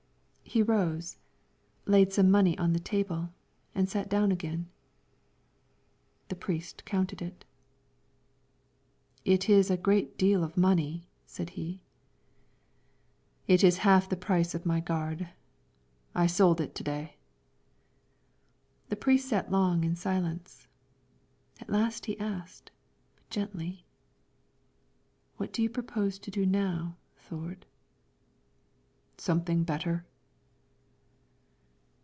He rose, laid some money on the table, and sat down again. The priest counted it. "It is a great deal of money," said he. "It is half the price of my gård. I sold it to day." The priest sat long in silence. At last he asked, but gently: "What do you propose to do now, Thord?" "Something better."